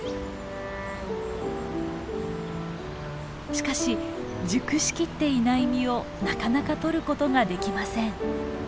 しかし熟しきっていない実をなかなか取ることができません。